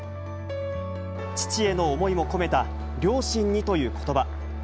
父への思いも込めた両親にということば。